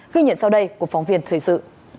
ghi nhận sau đây của phóng viên thời sự